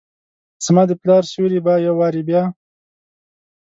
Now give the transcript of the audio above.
زما دپلا ر سیوري به یووارې بیا،